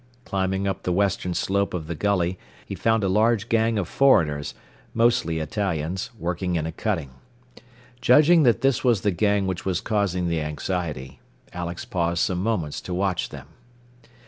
Climbing up the western slope of the gully, he found a large gang of foreigners, mostly Italians, working in a cutting. Judging that this was the gang which was causing the anxiety, Alex paused some moments to watch them.